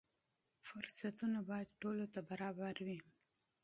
فرصتونه باید ټولو ته برابر وي.